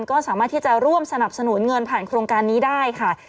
ก็สามารถที่จะร่วมสนับสนุนเงินผ่านโครงการนี้ได้ค่ะ